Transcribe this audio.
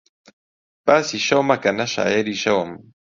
باسی شەو مەکە نە شایەری شەوم